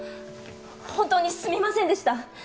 本当にすみませんでした。